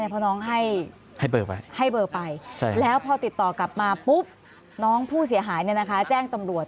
เพราะน้องให้เบอร์ไปแล้วพอติดต่อกลับมาปุ๊บน้องผู้เสียหายแจ้งตำรวจ